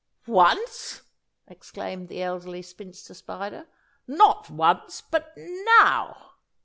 "Once?" exclaimed the Elderly Spinster Spider, "not once, but NOW!